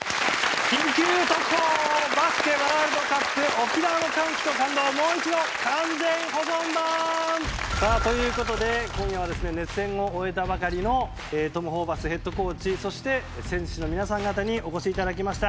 沖縄の歓喜と感動をもう一度完全保存版」！ということで今夜は熱戦を終えたばかりのトム・ホーバスヘッドコーチそして選手の皆さんにお越しいただきました。